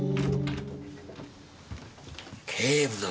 警部殿！